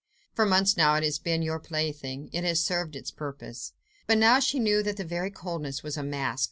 For months now it has been your plaything ... it has served its purpose." But now she knew that that very coldness was a mask.